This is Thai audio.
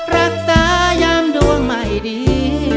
รักษายามดวงใหม่ดี